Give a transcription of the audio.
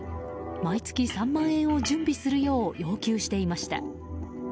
毎月３万円を準備するよう要求していました。